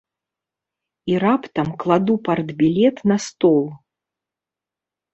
І раптам кладу партбілет на стол.